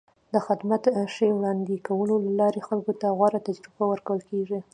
د خدمت ښې وړاندې کولو له لارې خلکو ته غوره تجربه ورکول کېږي.